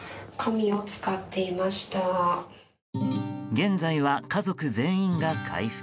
現在は家族全員が回復。